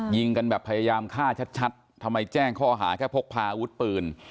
ยิงกันแบบพยายามฆ่าชัดทำไมแจ้งข้อหาแค่พกพาอาวุธปืน